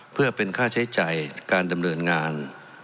เพื่อเป็นค่าใช้จ่ายการดำเนินงาน